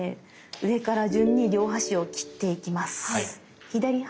上から順に両端を切っていきます。